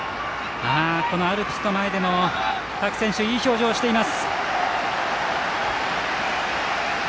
このアルプスの前でも各選手、いい表情をしています。